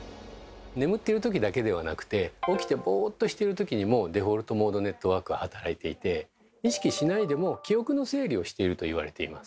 眠っているときだけではなくて起きてボーっとしてるときにもデフォルトモードネットワークは働いていて意識しないでも記憶の整理をしていると言われています。